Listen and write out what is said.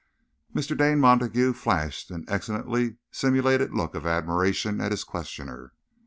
Mr. Dane Montague flashed an excellently simulated look of admiration at his questioner.